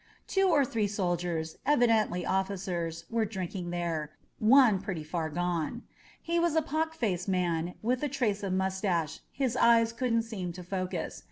Two or three soldiers, evidently officers, were drinking there— one pretty far gone. He was a pock marked man with a trace of black mustache; his eyes couldn't seem to focus.